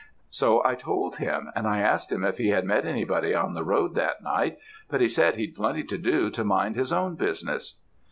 "'So I told him; and I asked him if he had met anybody on the road that night, but he said he'd plenty to do to mind his own business.'